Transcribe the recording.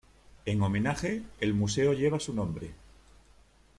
En homenaje, el Museo lleva su nombre.